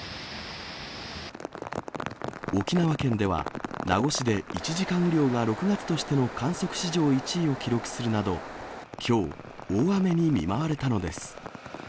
沖縄県では、名護市で１時間雨量が６月としての観測史上１位を記録するなど、きょう、大雨に見舞われたのです。